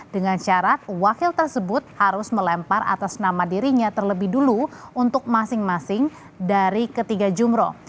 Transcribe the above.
dengan syarat wakil tersebut harus melempar atas nama dirinya terlebih dulu untuk masing masing dari ketiga jumroh